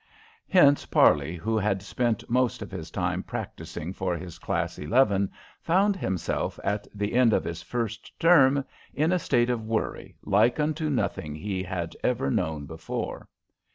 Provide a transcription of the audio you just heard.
Hence Parley, who had spent most of his time practicing for his class eleven, found himself at the end of his first term in a state of worry like unto nothing he had ever known before.